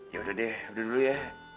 yaudah deh udah dulu ya